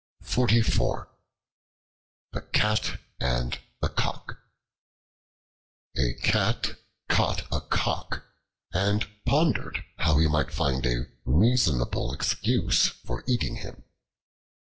The Cat and the Cock A CAT caught a Cock, and pondered how he might find a reasonable excuse for eating him.